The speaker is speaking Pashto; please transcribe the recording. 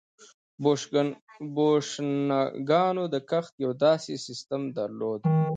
بوشنګانو د کښت یو داسې سیستم درلود